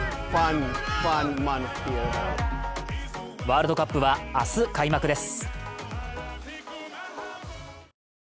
ワールドカップは明日開幕です。